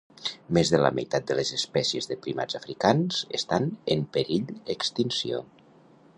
Més de la meitat de les espècies de primats africans estan en perill extinció